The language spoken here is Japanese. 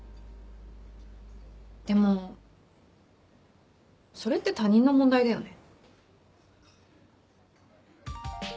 でもそれって他人の問題だよね？